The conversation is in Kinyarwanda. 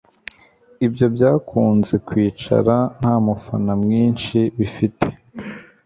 ibyo byakunze kwicara nta mufana mwinshi bifite